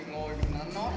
mình ăn nó